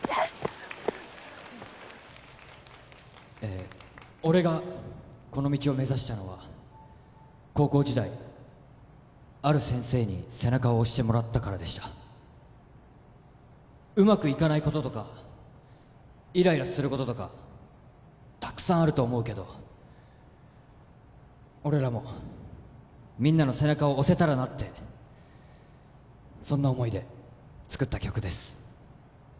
え俺がこの道を目指したのは高校時代ある先生に背中を押してもらったからでしたうまくいかないこととかイライラすることとかたくさんあると思うけど俺らもみんなの背中を押せたらなってそんな思いで作った曲です